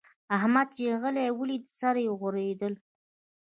احمد چې علي وليد؛ سره غوړېدل.